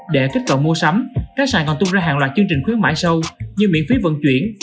để kết cận mua sắm các sản còn tung ra hàng loạt chương trình khuyến mãi sâu như miễn phí vận chuyển